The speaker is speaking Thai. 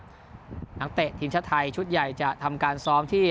ของวันนี้ครับหนังเตะทีมชาติไทยชุดใหญ่จะทำการซ้อมที่